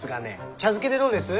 茶漬けでどうです？